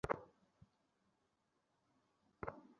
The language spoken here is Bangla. সরো, আমার দেরি হইতাসে।